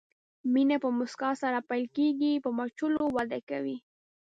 مینه په مسکا سره پیل کېږي، په مچولو وده کوي.